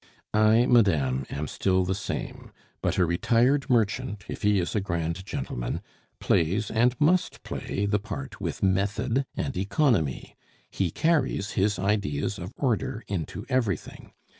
"I, madame, am still the same; but a retired merchant, if he is a grand gentleman, plays, and must play, the part with method and economy; he carries his ideas of order into everything.